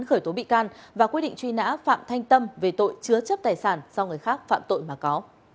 khởi tố bị can và quyết định truy nã phạm thanh tâm về tội chứa chấp tài sản do người khác phạm tội mà có